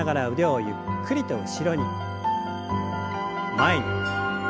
前に。